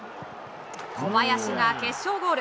小林が決勝ゴール。